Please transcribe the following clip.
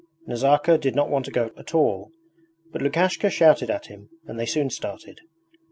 Nazarka did not want to go at all, but Lukashka shouted at him and they soon started.